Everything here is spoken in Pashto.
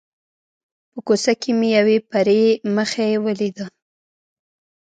په کوڅه کې مې یوې پري مخې ولیده.